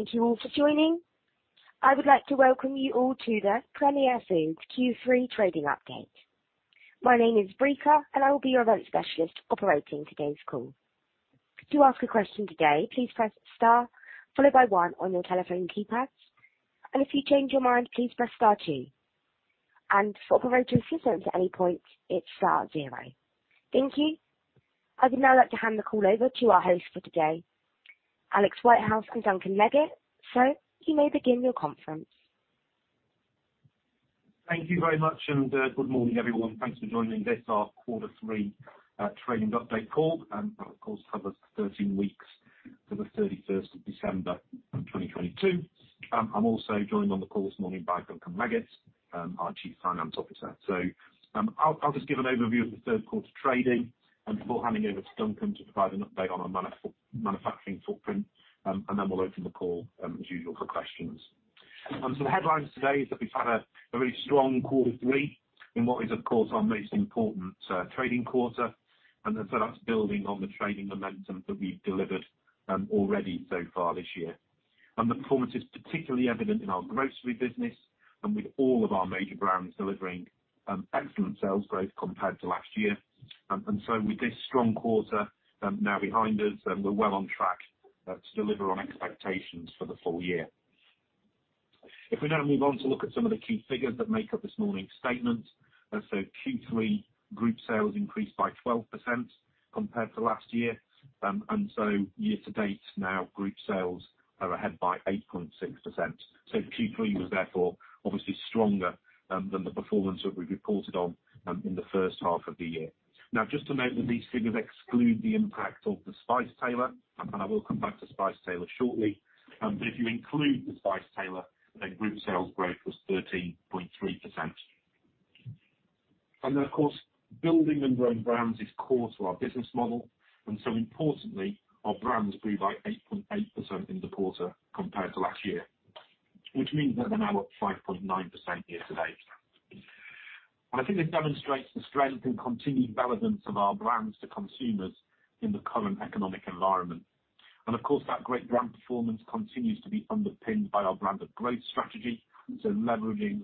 Thank you all for joining. I would like to welcome you all to the Premier Foods Q3 trading update. My name is Brica. I will be your event specialist operating today's call. To ask a question today, please press star followed by one on your telephone keypads. If you change your mind, please press star two. For operator assistance at any point, it's star zero. Thank you. I would now like to hand the call over to our host for today, Alex Whitehouse and Duncan Leggett. You may begin your conference. Thank you very much. Good morning, everyone. Thanks for joining this, our quarter three trading update call. Of course, covers 13 weeks to the 31st of December of 2022. I'm also joined on the call this morning by Duncan Leggett, our Chief Financial Officer. I'll just give an overview of the third quarter trading before handing over to Duncan to provide an update on our manufacturing footprint, and then we'll open the call as usual for questions. The headlines today is that we've had a very strong quarter three in what is, of course, our most important trading quarter, and that's building on the trading momentum that we've delivered already so far this year. The performance is particularly evident in our grocery business and with all of our major brands delivering excellent sales growth compared to last year. With this strong quarter now behind us, we're well on track to deliver on expectations for the full year. If we now move on to look at some of the key figures that make up this morning's statement. Q3 group sales increased by 12% compared to last year. Year to date now, group sales are ahead by 8.6%. Q3 was therefore obviously stronger than the performance that we reported on in the first half of the year. Now, just to note that these figures exclude the impact of The Spice Tailor, and I will come back to The Spice Tailor shortly. If you include The Spice Tailor, group sales growth was 13.3%. Of course, building and growing brands is core to our business model, importantly, our brands grew by 8.8% in the quarter compared to last year, which means that they're now up 5.9% year-to-date. I think this demonstrates the strength and continued relevance of our brands to consumers in the current economic environment. Of course, that great brand performance continues to be underpinned by our branded growth strategy. Leveraging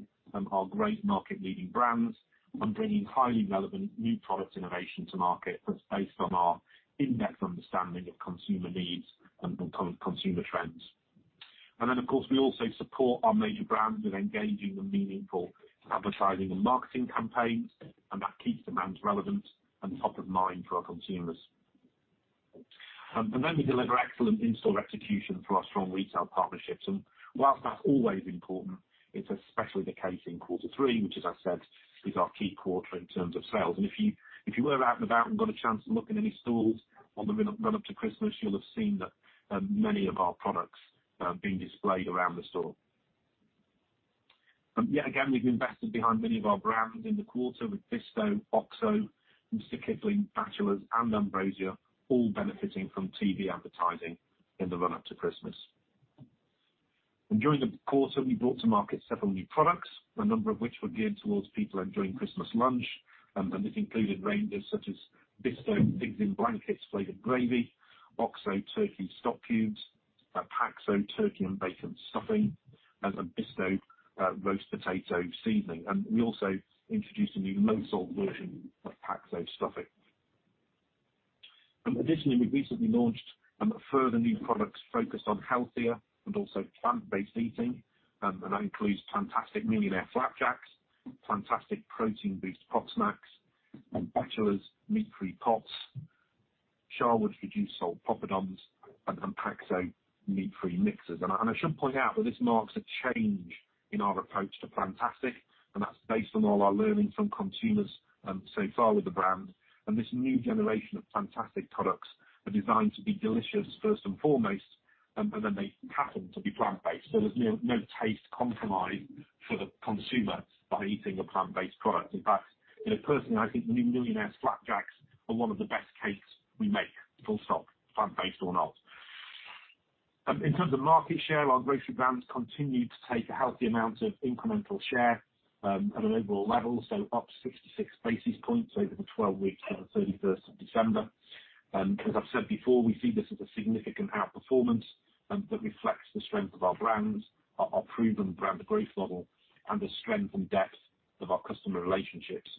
our great market-leading brands and bringing highly relevant new product innovation to market that's based on our in-depth understanding of consumer needs and consumer trends. Then of course, we also support our major brands with engaging and meaningful advertising and marketing campaigns, and that keeps demands relevant and top of mind for our consumers. Then we deliver excellent in-store execution through our strong retail partnerships. Whilst that's always important, it's especially the case in quarter three, which as I said, is our key quarter in terms of sales. If you were out and about and got a chance to look in any stores on the run up to Christmas, you'll have seen that many of our products being displayed around the store. Yet again, we've invested behind many of our brands in the quarter with Bisto, Oxo, Mr Kipling, Batchelors and Ambrosia all benefiting from TV advertising in the run up to Christmas. During the quarter, we brought to market several new products, a number of which were geared towards people enjoying Christmas lunch, and this included ranges such as Bisto Pigs in Blankets Flavour Gravy, OXO Turkey Stock Cubes, Paxo Turkey & Bacon Flavour Stuffing, and a Bisto roast potato seasoning. We also introduced a new low salt version of Paxo stuffing. Additionally, we recently launched further new products focused on healthier and also plant-based eating, and that includes Plantastic Millionaire Flapjacks, Plantastic Protein Boost pots, Batchelors meat-free pots, Sharwood's reduced salt poppadoms, and Paxo Meat Free Mixes. I should point out that this marks a change in our approach to Plantastic, and that's based on all our learnings from consumers so far with the brand. This new generation of Plantastic products are designed to be delicious, first and foremost, and then they happen to be plant-based. There's no taste compromise for the consumer by eating a plant-based product. In fact, you know, personally, I think new Millionaire Flapjacks are one of the best cakes we make, full stop, plant-based or not. In terms of market share, our grocery brands continued to take a healthy amount of incremental share, at an overall level, so up 66 basis points over the 12 weeks to the 31st of December. As I've said before, we see this as a significant outperformance that reflects the strength of our brands, our proven branded growth model, and the strength and depth of our customer relationships.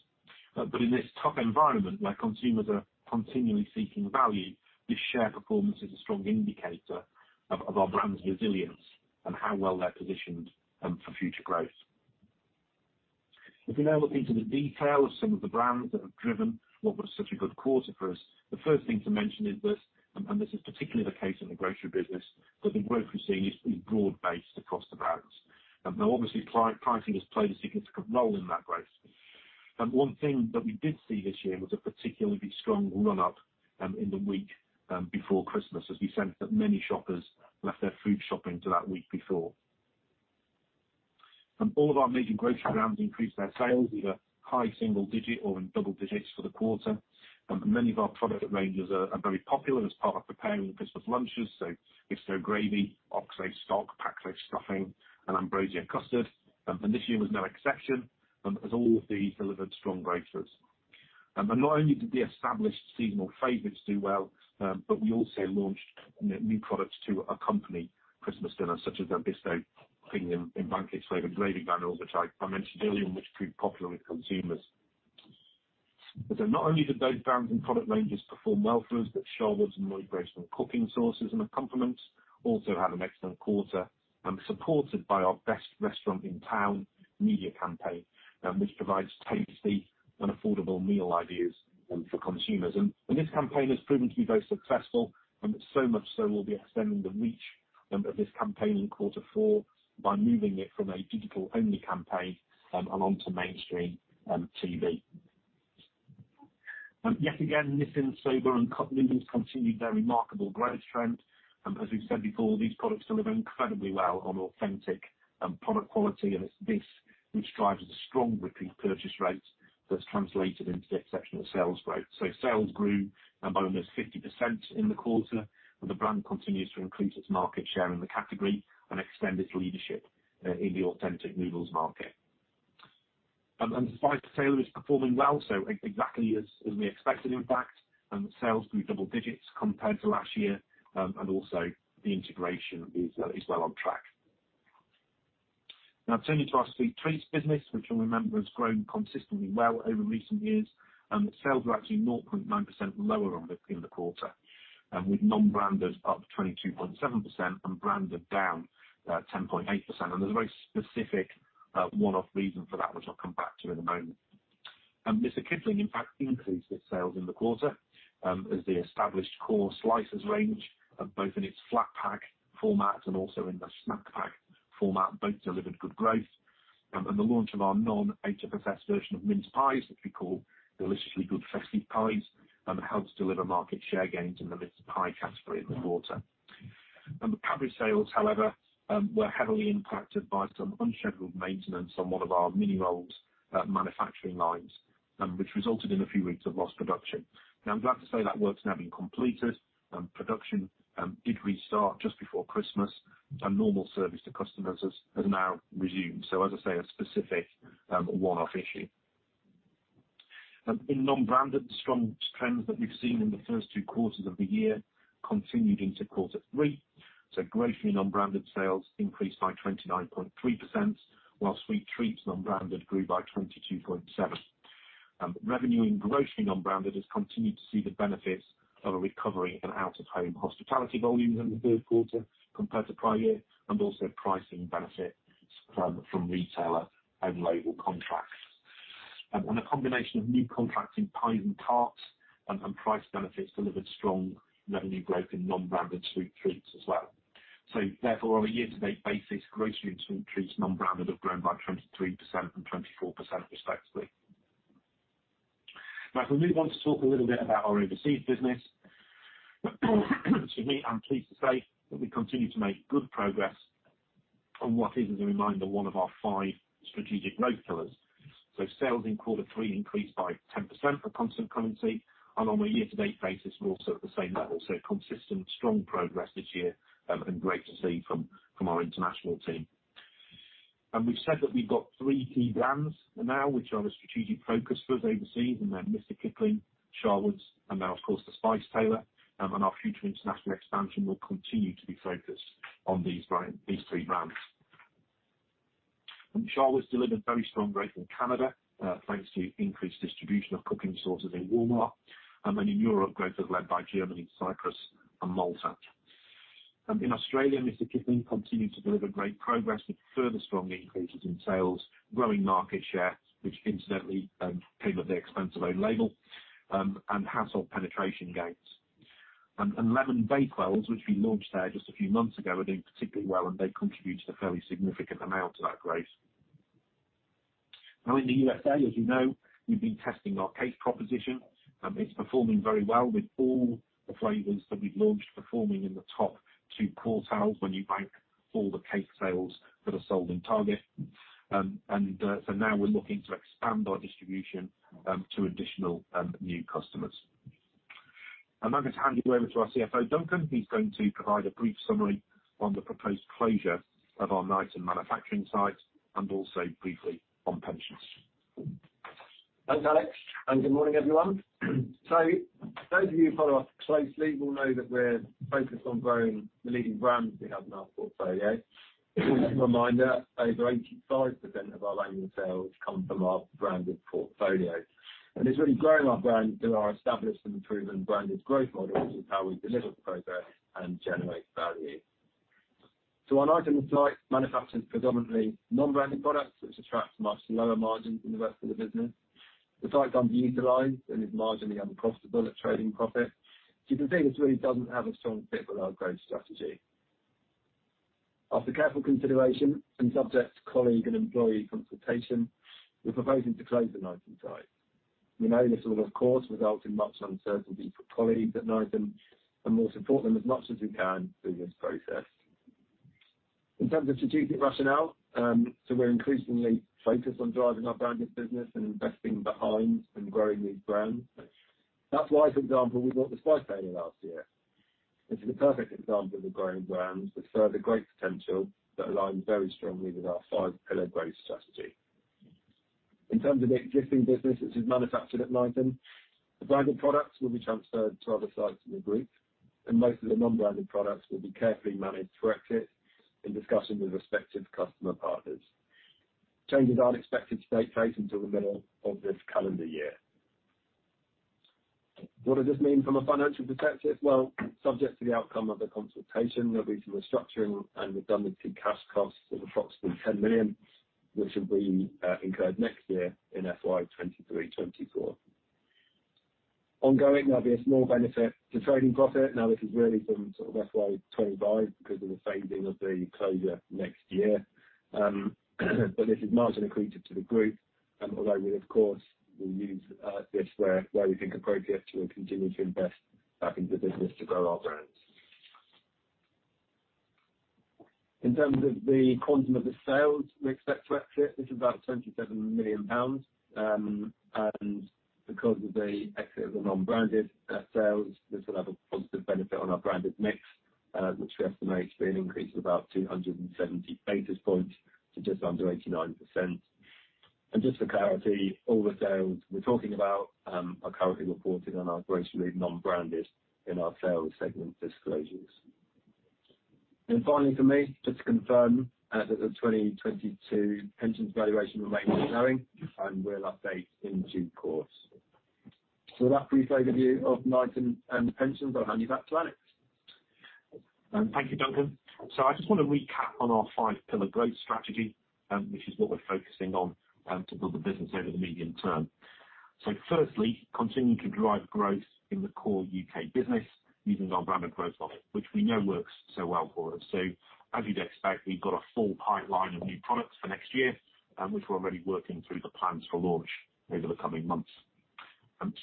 In this tough environment where consumers are continually seeking value, this share performance is a strong indicator of our brand's resilience and how well they're positioned for future growth. If we now look into the detail of some of the brands that have driven what was such a good quarter for us, the first thing to mention is this, and this is particularly the case in the grocery business, that the growth we're seeing is broad-based across the brands. Now obviously pricing has played a significant role in that growth. One thing that we did see this year was a particularly strong run up in the week before Christmas, as we sense that many shoppers left their food shopping to that week before. All of our major grocery brands increased their sales, either high single-digit or in double-digits for the quarter. Many of our product ranges are very popular as part of preparing Christmas lunches, so Bisto gravy, Oxo stock, Paxo stuffing, and Ambrosia custard. This year was no exception, as all of these delivered strong growth for us. Not only did the established seasonal favorites do well, but we also launched new products to accompany Christmas dinners such as our Bisto Pigs in Blankets Flavour Gravy Granules type I mentioned earlier, which proved popular with consumers. Not only did those brands and product ranges perform well for us, but Sharwood's and Moy Park cooking sources and accompaniments also had an excellent quarter, supported by our Best Restaurant in Town media campaign, which provides tasty and affordable meal ideas for consumers. This campaign has proven to be very successful, and so much so we'll be extending the reach of this campaign in quarter four by moving it from a digital only campaign and onto mainstream TV. Yet again, Nissin Soba and Cup Noodles continued their remarkable growth trend, and as we've said before, these products deliver incredibly well on authentic product quality. It's this which drives the strong repeat purchase rates that's translated into exceptional sales growth. Sales grew by almost 50% in the quarter, and the brand continues to increase its market share in the category and extend its leadership in the authentic noodles market. The Spice Tailor is performing well, exactly as we expected, in fact, and sales grew double digits compared to last year. The integration is well on track. Now turning to our sweet treats business, which you'll remember has grown consistently well over recent years, sales were actually 0.9% lower in the quarter, with non-branded up 22.7% and branded down 10.8%. There's a very specific one-off reason for that, which I'll come back to in a moment. Mr.Kipling, in fact, increased its sales in the quarter, as the established core slices range, both in its flat pack format and also in the snack pack format, both delivered good growth. The launch of our non-HFSS version of mince pies, which we call Deliciously Good Festive Pies, helped deliver market share gains in the mince pie category in the quarter. The Cadbury sales, however, were heavily impacted by some unscheduled maintenance on one of our Mini Rolls manufacturing lines, which resulted in a few weeks of lost production. I'm glad to say that work's now been completed and production did restart just before Christmas, and normal service to customers has now resumed. As I say, a specific, one-off issue. In non-branded, the strong trends that we've seen in the first two quarters of the year continued into quarter three. Grocery non-branded sales increased by 29.3%, while sweet treats non-branded grew by 22.7%. Revenue in grocery non-branded has continued to see the benefits of a recovery in out-of-home hospitality volumes in the third quarter compared to prior year, and also pricing benefits from retailer own label contracts. A combination of new contracts in pies and tarts and price benefits delivered strong revenue growth in non-branded sweet treats as well. Therefore, on a year to date basis, grocery and sweet treats non-branded have grown by 23% and 24% respectively. If we move on to talk a little bit about our overseas business, excuse me, I'm pleased to say that we continue to make good progress on what is, as a reminder, one of our five strategic growth pillars. Sales in Q3 increased by 10% for constant currency and on a year-to-date basis, we're also at the same level. Consistent strong progress this year, and great to see from our international team. We've said that we've got three key brands now, which are the strategic focus for us overseas, and they're Mr Kipling, Sharwood's, and now of course The Spice Tailor. Our future international expansion will continue to be focused on these three brands. Sharwood's delivered very strong growth in Canada, thanks to increased distribution of cooking sources in Walmart. In Europe, growth was led by Germany, Cyprus and Malta. In Australia, Mr. Kipling continued to deliver great progress with further strong increases in sales, growing market share, which incidentally, came at the expense of own label, and household penetration gains. Lemon Bakewells, which we launched there just a few months ago, are doing particularly well, and they contribute a fairly significant amount to that growth. In the USA, as you know, we've been testing our cake proposition, and it's performing very well with all the flavors that we've launched performing in the top two quartiles when you bank all the cake sales that are sold in Target. Now we're looking to expand our distribution to additional new customers. I'm going to hand you over to our CFO, Duncan. He's going to provide a brief summary on the proposed closure of our Knighton manufacturing site and also briefly on pensions. Thanks, Alex, and good morning, everyone. Those of you who follow us closely will know that we're focused on growing the leading brands we have in our portfolio. Just a reminder, over 85% of our annual sales come from our branded portfolio. It's really growing our brands through our established and proven branded growth model, which is how we deliver progress and generate value. Our Knighton site manufactures predominantly non-branded products, which attracts much lower margins than the rest of the business. The site underutilized and is marginally unprofitable at Trading profit. As you can see, this really doesn't have a strong fit with our growth strategy. After careful consideration and subject to colleague and employee consultation, we're proposing to close the Knighton site. We know this will of course result in much uncertainty for colleagues at Knighton, and we'll support them as much as we can through this process. In terms of strategic rationale, we're increasingly focused on driving our branded business and investing behind and growing these brands. That's why, for example, we bought The Spice Tailor last year. This is a perfect example of a growing brand with further great potential that aligns very strongly with our five-pillar growth strategy. In terms of the existing business, which is manufactured at Knighton, the branded products will be transferred to other sites in the group, and most of the non-branded products will be carefully managed through exit in discussion with respective customer partners. Changes are expected to take place until the middle of this calendar year. What does this mean from a financial perspective? Subject to the outcome of the consultation, there'll be some restructuring and redundancy cash costs of approximately 10 million, which will be incurred next year in FY23/24. Ongoing, there'll be a small benefit to trading profit. This is really from sort of FY25 because of the phasing of the closure next year. This is margin accretive to the group, although we of course will use this where we think appropriate to continue to invest back into the business to grow our brands. In terms of the quantum of the sales we expect to exit, this is about 27 million pounds. Because of the exit of the non-branded sales, this will have a positive benefit on our branded mix, which we estimate to be an increase of about 270 basis points to just under 89%. Just for clarity, all the sales we're talking about are currently reported on our grocery non-branded in our sales segment disclosures. Finally for me, just to confirm, as at the 2022 pensions valuation remain ongoing, and we'll update in due course. With that brief overview of Knighton and pensions, I'll hand you back to Alex. Thank you, Duncan. I just want to recap on our five-pillar growth strategy, which is what we're focusing on to build the business over the medium term. Firstly, continuing to drive growth in the core U.K. business using our branded growth model, which we know works so well for us. As you'd expect, we've got a full pipeline of new products for next year, which we're already working through the plans for launch over the coming months.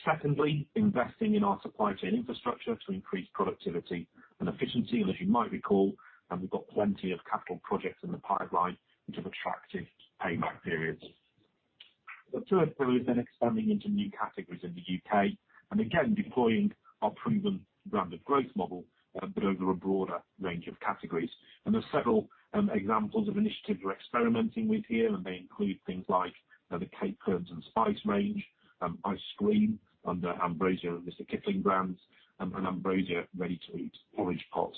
Secondly, investing in our supply chain infrastructure to increase productivity and efficiency. As you might recall, we've got plenty of capital projects in the pipeline, which have attractive payback periods. The third pillar is then expanding into new categories in the U.K., and again, deploying our proven branded growth model, but over a broader range of categories. There's several examples of initiatives we're experimenting with here, and they include things like the cake crumbs and spice range, ice cream under Ambrosia and Mr. Kipling brands, and Ambrosia ready-to-eat porridge pots,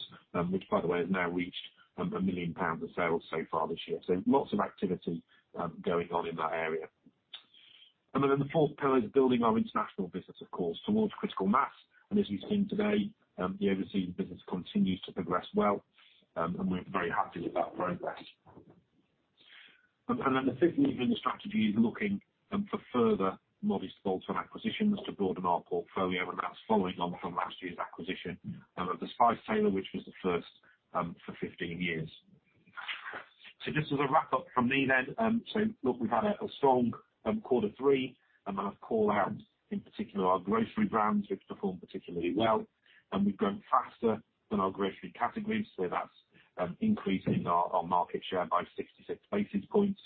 which by the way has now reached 1 million pounds of sales so far this year. Lots of activity going on in that area. Then the fourth pillar is building our international business, of course, towards critical mass. As you've seen today, the overseas business continues to progress well, and we're very happy with that progress. Then the fifth lever in the strategy is looking for further modest bolt-on acquisitions to broaden our portfolio, and that's following on from last year's acquisition of The Spice Tailor, which was the first for 15 years. Just as a wrap up from me then, so look, we've had a strong quarter three. I'm gonna call out in particular our grocery brands, which performed particularly well, and we've grown faster than our grocery categories, so that's increasing our market share by 66 basis points.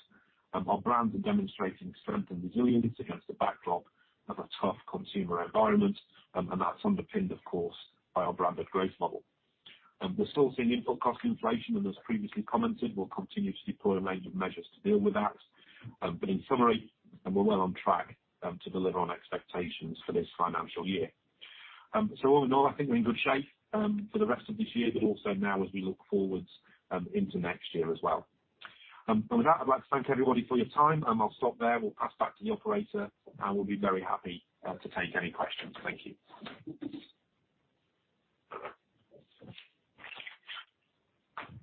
Our brands are demonstrating strength and resilience against the backdrop of a tough consumer environment, and that's underpinned, of course, by our branded growth model. We're still seeing input cost inflation, and as previously commented, we'll continue to deploy a range of measures to deal with that. But in summary, we're well on track to deliver on expectations for this financial year. All in all, I think we're in good shape for the rest of this year, but also now as we look forwards into next year as well. With that, I'd like to thank everybody for your time, and I'll stop there. We'll pass back to the operator, and we'll be very happy to take any questions. Thank you.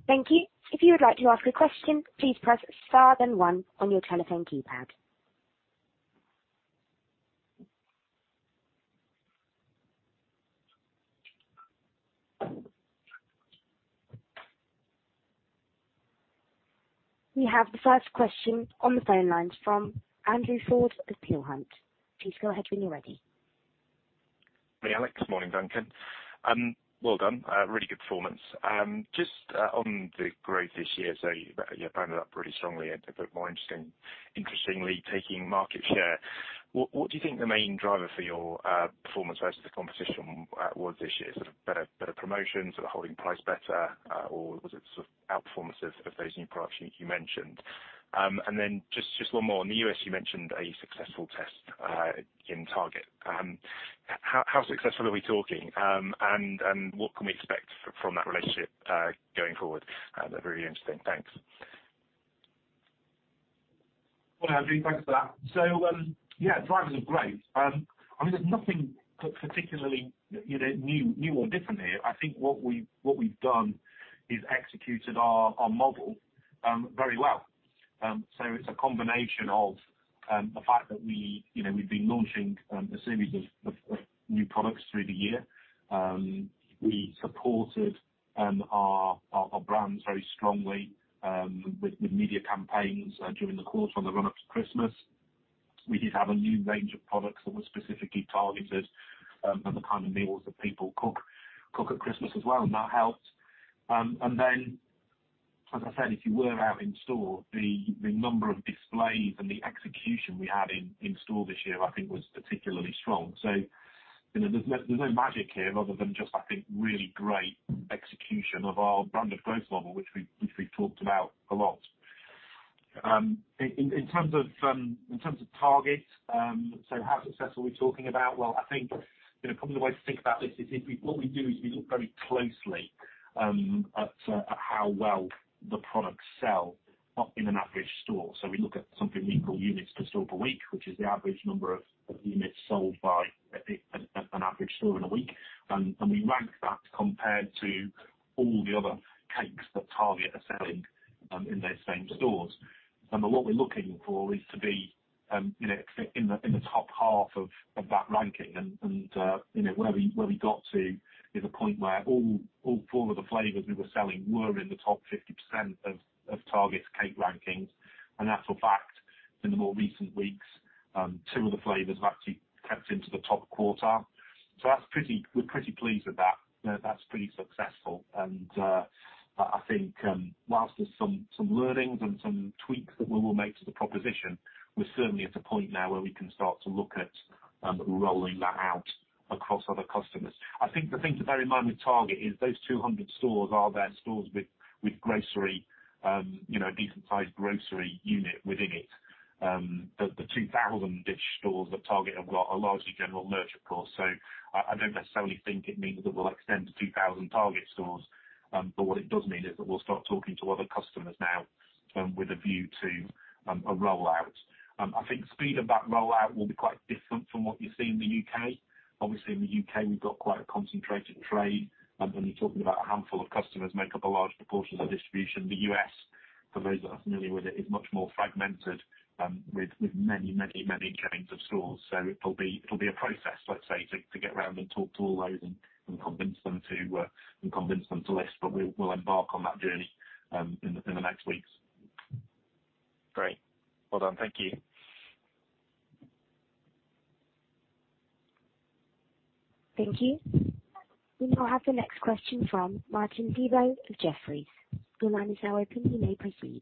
Thank you. If you would like to ask a question, please press star then one on your telephone keypad. We have the first question on the phone lines from Andrew Ford with Peel Hunt. Please go ahead when you're ready. Hey, Alex. Morning, Duncan. Well done. Really good performance. Just on the growth this year, so you rounded up really strongly and a bit more interestingly taking market share. What do you think the main driver for your performance versus the competition was this year? Sort of better promotions or holding price better or was it sort of outperformance of those new products you mentioned? Just one more. In the US, you mentioned a successful test in Target. How successful are we talking? And what can we expect from that relationship going forward? They're very interesting. Thanks. Well, Andrew, thanks for that. Yeah, drivers of growth. I mean, there's nothing particularly, you know, new or different here. I think what we've done is executed our model, very well. It's a combination of the fact that we, you know, we've been launching a series of new products through the year. We supported our brands very strongly with media campaigns during the course from the run-up to Christmas. We did have a new range of products that were specifically targeted at the kind of meals that people cook at Christmas as well, and that helped. ThenAs I said, if you were out in store, the number of displays and the execution we had in store this year, I think was particularly strong. You know, there's no magic here other than just, I think, really great execution of our branded growth model, which we've talked about a lot. In terms of targets, how successful are we talking about? Well, I think, you know, probably the way to think about this is what we do is we look very closely at how well the products sell in an average store. We look at something we call units per store per week, which is the average number of units sold by an average store in a week. We rank that compared to all the other cakes that Target are selling in those same stores. What we're looking for is to be, you know, in the top half of that ranking. You know, where we got to is a point where all four of the flavors we were selling were in the top 50% of Target's cake rankings. As a fact, in the more recent weeks, two of the flavors have actually crept into the top quarter. We're pretty pleased with that. You know, that's pretty successful. I think, whilst there's some learnings and some tweaks that we will make to the proposition, we're certainly at a point now where we can start to look at rolling that out across other customers. I think the thing to bear in mind with Target is those 200 stores are their stores with grocery, you know, a decent-sized grocery unit within it. The 2,000-ish stores that Target have got are largely general merchant stores. I don't necessarily think it means that we'll extend to 2,000 Target stores. What it does mean is that we'll start talking to other customers now, with a view to a rollout. I think speed of that rollout will be quite different from what you see in the U.K. Obviously, in the U.K., we've got quite a concentrated trade, and we're talking about a handful of customers make up a large proportion of the distribution. The U.S., for those that are familiar with it, is much more fragmented, with many, many, many kinds of stores. It'll be a process, let's say, to get around and talk to all those and convince them to list, but we'll embark on that journey in the next weeks. Great. Well done. Thank you. Thank you. We now have the next question from Martin Deboo of Jefferies. Your line is now open. You may proceed.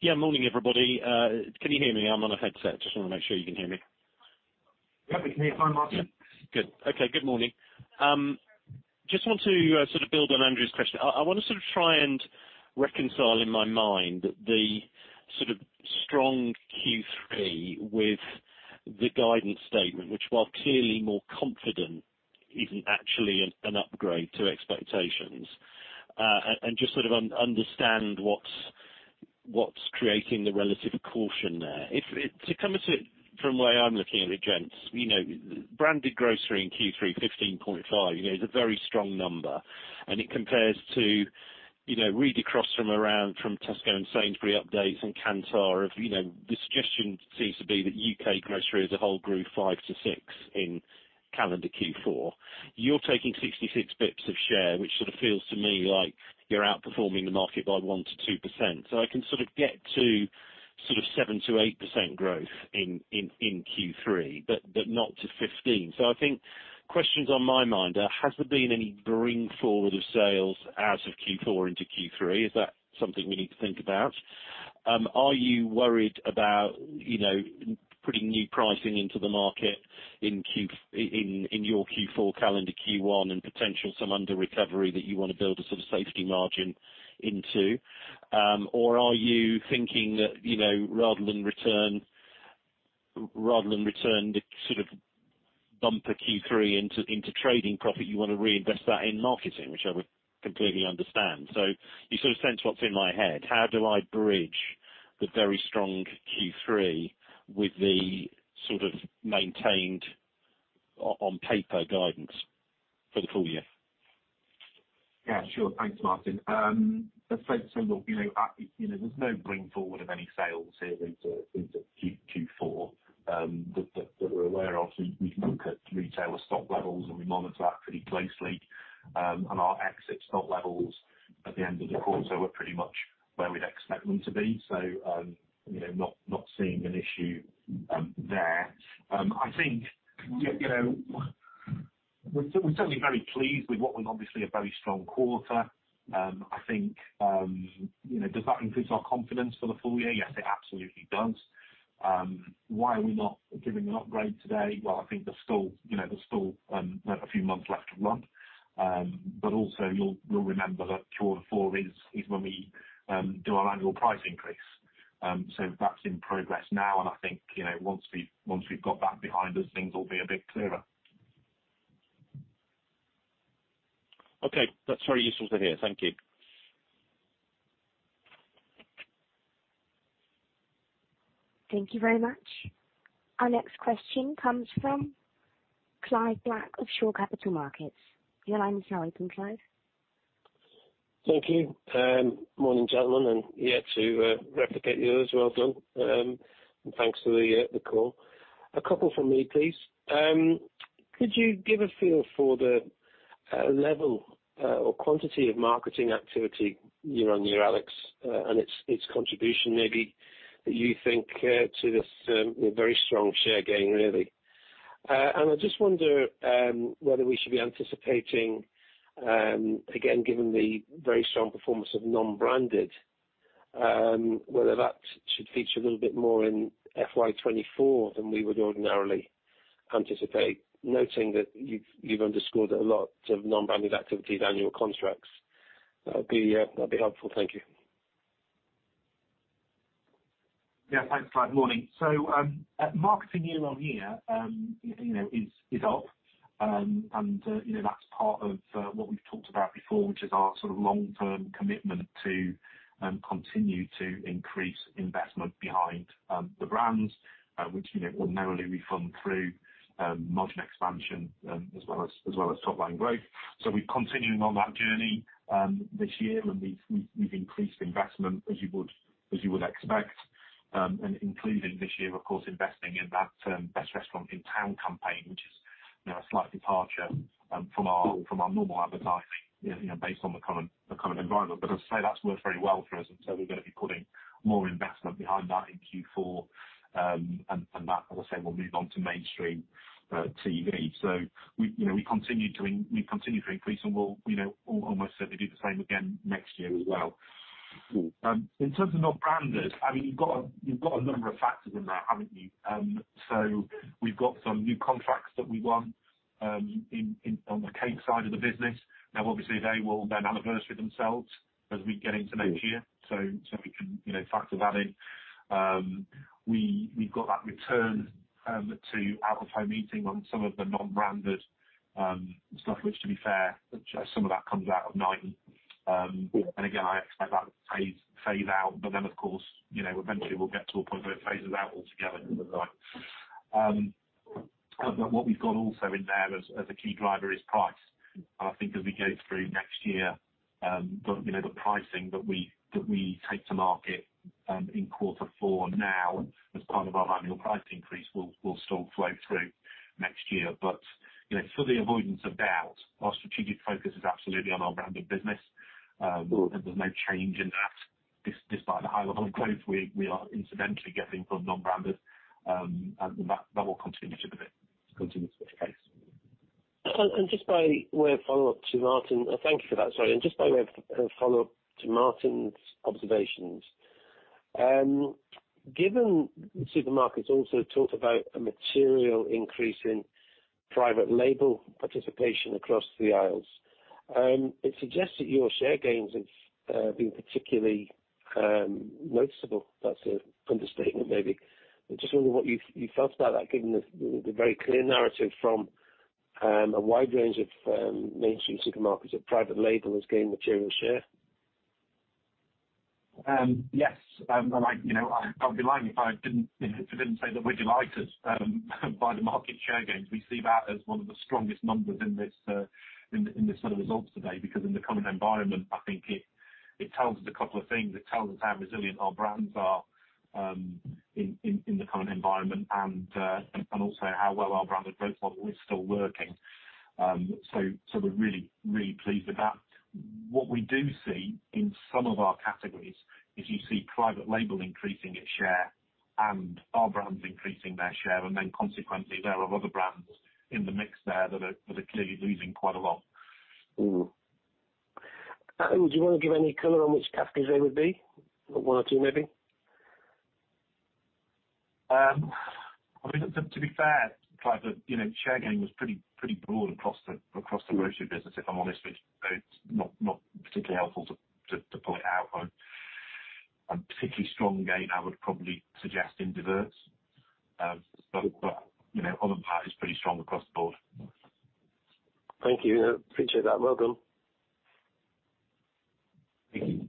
Yeah. Morning, everybody. Can you hear me? I'm on a headset. Just wanna make sure you can hear me. Yeah, we can hear you fine, Martin. Good. Okay, good morning. Just want to sort of build on Andrew's question. I wanna sort of try and reconcile in my mind the sort of strong Q3 with the guidance statement, which while clearly more confident, isn't actually an upgrade to expectations. And just sort of understand what's creating the relative caution there. To come at it from the way I'm looking at it, gents, you know, branded grocery in Q3, 15.5, you know, is a very strong number, and it compares to, you know, read across from around from Tesco and Sainsbury's updates and Kantar of, you know, the suggestion seems to be that UK grocery as a whole grew 5%-6% in calendar Q4. You're taking 66 basis points of share, which sort of feels to me like you're outperforming the market by 1%-2%. I can sort of get to sort of 7%-8% growth in Q3, but not to 15. I think questions on my mind are, has there been any bring forward of sales out of Q4 into Q3? Is that something we need to think about? Are you worried about, you know, putting new pricing into the market in your Q4, calendar Q1, and potential some under recovery that you wanna build a sort of safety margin into? Or are you thinking that, you know, rather than return the sort of bumper Q3 into trading profit, you wanna reinvest that in marketing, which I would completely understand. You sort of sense what's in my head. How do I bridge the very strong Q3 with the sort of maintained on paper guidance for the full year? Yeah, sure. Thanks, Martin. Let's say so, look, you know, you know, there's no bring forward of any sales here into Q4, that we're aware of. We look at retailer stock levels. We monitor that pretty closely. Our exit stock levels at the end of the quarter were pretty much where we'd expect them to be. You know, not seeing an issue there. I think, you know, we're certainly very pleased with what was obviously a very strong quarter. I think, you know, does that increase our confidence for the full year? Yes, it absolutely does. Why are we not giving an upgrade today? Well, I think there's still, you know, a few months left to run. Also you'll remember that quarter four is when we do our annual price increase. That's in progress now. I think, you know, once we've got that behind us, things will be a bit clearer. Okay. That's very useful to hear. Thank you. Thank you very much. Our next question comes from Clive Black of Shore Capital Markets. Your line is now open, Clive. Thank you. Morning, gentlemen. Yeah, to replicate the others, well done. Thanks for the call. A couple from me, please. Could you give a feel for the level or quantity of marketing activity year-on-year, Alex, and its contribution maybe that you think to this very strong share gain really? I just wonder whether we should be anticipating, again, given the very strong performance of non-branded, whether that should feature a little bit more in FY24 than we would ordinarily anticipate. Noting that you've underscored a lot of non-branded activity, annual contracts. That'll be helpful. Thank you. Yeah. Thanks, Clive. Morning. Marketing year-on-year, you know, is up. You know, that's part of what we've talked about before, which is our sort of long-term commitment to continue to increase investment behind the brands, which, you know, ordinarily we fund through margin expansion, as well as top line growth. We're continuing on that journey this year, and we've increased investment as you would expect, and including this year, of course, investing in that Best Restaurant in Town campaign, which is, you know, a slight departure from our normal advertising, you know, based on the current environment. As I say, that's worked very well for us, and so we're gonna be putting more investment behind that in Q4. That, as I say, will move on to mainstream TV. We, you know, we continue to increase and we'll, you know, almost certainly do the same again next year as well. Cool. In terms of non-branded, I mean, you've got a number of factors in there, haven't you? We've got some new contracts that we won, in, on the cake side of the business. Obviously they will then anniversary themselves as we get into next year. We can, you know, factor that in. We've got that return to out of home eating on some of the non-branded stuff, which to be fair, some of that comes out of Knighton. And again, I expect that to phase out. Of course, you know, eventually we'll get to a point where it phases out altogether. What we've got also in there as a key driver is price. I think as we go through next year, you know, the pricing that we take to market in quarter four now as part of our annual price increase will still flow through next year. You know, for the avoidance of doubt, our strategic focus is absolutely on our branded business. There's no change in that. Despite the high level of growth we are incidentally getting from non-branded, and that will continue to be the case. Just by way of follow-up to Martin. Thank you for that. Sorry. Just by way of follow-up to Martin's observations, given supermarkets also talk about a material increase in private label participation across the aisles, it suggests that your share gains have been particularly noticeable. That's an understatement, maybe. Just wondering what you felt about that, given the very clear narrative from a wide range of mainstream supermarkets that private label has gained material share. Yes. I, you know, I'd be lying if I didn't say that we're delighted by the market share gains. We see that as one of the strongest numbers in this in this set of results today, because in the current environment, I think it tells us two things. It tells us how resilient our brands are in the current environment and also how well our branded growth model is still working. We're really pleased with that. What we do see in some of our categories is you see private label increasing its share and our brands increasing their share, consequently there are other brands in the mix there that are clearly losing quite a lot. Do you want to give any color on which categories they would be? One or two, maybe. I mean, to be fair, Clive, you know, share gain was pretty broad across the grocery business, if I'm honest with you. It's not particularly helpful to point out a particularly strong gain I would probably suggest in desserts. You know, other than that, it's pretty strong across the board. Thank you. Appreciate that. Well done. Thank you.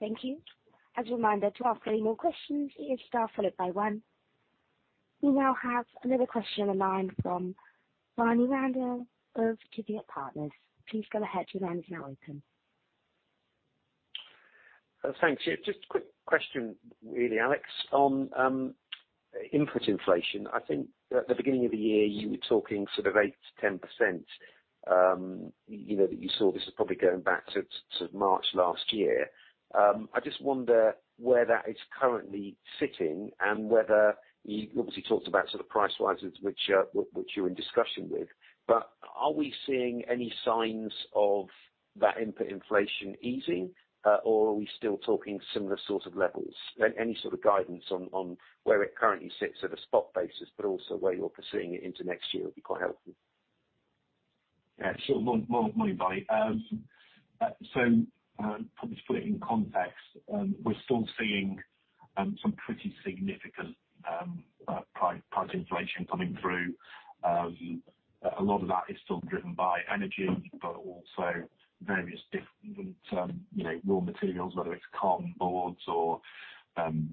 Thank you. As a reminder, to ask any more questions, hit star followed by one. We now have another question on the line from Barney [inaudible] Please go ahead. Your line is now open. Thanks. Yeah, just a quick question really, Alex, on input inflation. I think at the beginning of the year you were talking sort of 8%-10%, you know, that you saw. This is probably going back to March last year. I just wonder where that is currently sitting and whether you obviously talked about sort of price rises which you're in discussion with, but are we seeing any signs of that input inflation easing, or are we still talking similar sorts of levels? Any sort of guidance on where it currently sits at a spot basis, but also where you're pursuing it into next year would be quite helpful. Yeah, sure. Morning, Barney. Probably to put it in context, we're still seeing some pretty significant price inflation coming through. A lot of that is still driven by energy, but also various different, you know, raw materials, whether it's cardboard or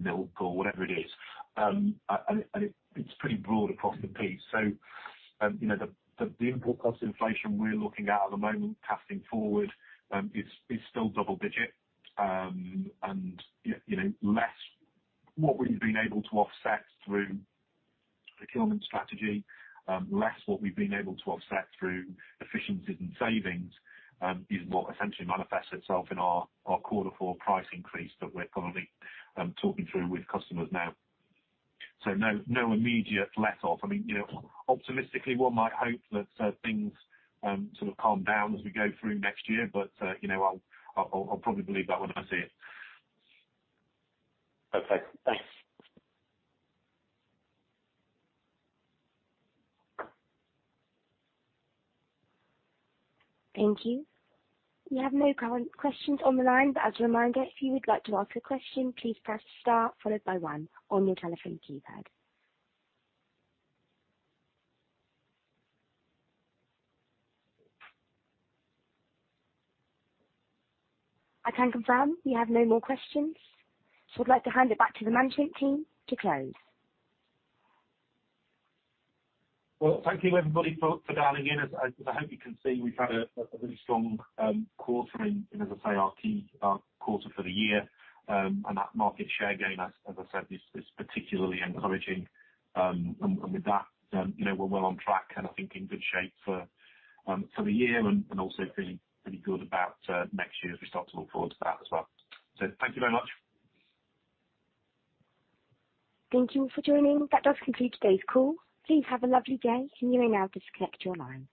milk or whatever it is. It's pretty broad across the piece. You know, the input cost inflation we're looking at the moment casting forward, is still double digit. You know, less what we've been able to offset through procurement strategy, less what we've been able to offset through efficiencies and savings, is what essentially manifests itself in our quarter four price increase that we're currently talking through with customers now. No immediate letup. I mean, you know, optimistically one might hope that things sort of calm down as we go through next year. You know, I'll probably believe that when I see it. Okay. Thanks. Thank you. We have no current questions on the line. As a reminder, if you would like to ask a question, please press star followed by one on your telephone keypad. I can confirm we have no more questions, so I'd like to hand it back to the management team to close. Well, thank you everybody for dialing in. As I hope you can see, we've had a really strong quarter in, and as I say, our key quarter for the year. That market share gain, as I said, is particularly encouraging. With that, you know, we're well on track and I think in good shape for the year and also feeling pretty good about next year as we start to look forward to that as well. Thank you very much. Thank you for joining. That does conclude today's call. Please have a lovely day, and you may now disconnect your lines.